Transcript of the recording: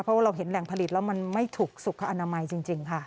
เพราะว่าเราเห็นแหล่งผลิตแล้วมันไม่ถูกสุขอนามัยจริงค่ะ